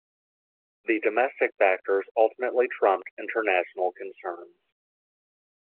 The domestic factors ultimately trumped international concerns.